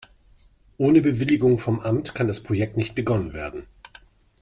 Ohne Bewilligung vom Amt kann das Projekt nicht begonnen werden.